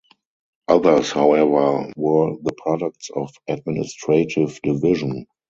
Others, however, were the products of administrative division.